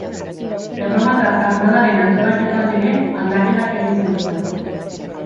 Erromatar armadaren antolaketan ere aldaketak egin zituen.